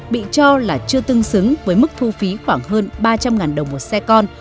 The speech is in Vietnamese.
bị cho là chưa tương xứng với mức thu phí khoảng hơn ba trăm linh đồng một xe con